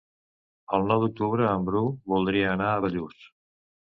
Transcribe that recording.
El nou d'octubre en Bru voldria anar a Bellús.